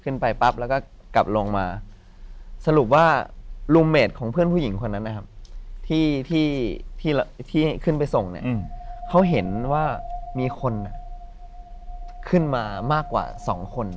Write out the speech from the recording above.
ปั๊บแล้วก็กลับลงมาสรุปว่าลูเมดของเพื่อนผู้หญิงคนนั้นนะครับที่ขึ้นไปส่งเนี่ยเขาเห็นว่ามีคนขึ้นมามากกว่า๒คน